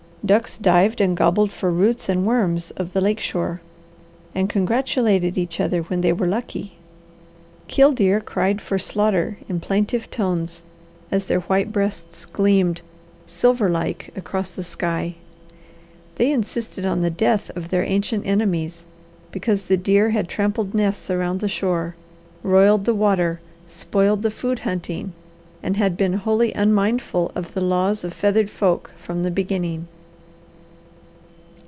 Ducks dived and gobbled for roots and worms of the lake shore, and congratulated each other when they were lucky. Killdeer cried for slaughter, in plaintive tones, as their white breasts gleamed silver like across the sky. They insisted on the death of their ancient enemies, because the deer had trampled nests around the shore, roiled the water, spoiled the food hunting, and had been wholly unmindful of the laws of feathered folk from the beginning.